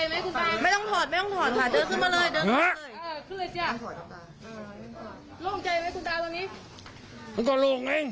วันนี้เดินทางมาตั้งใจมาทำอะไรบ้างคะ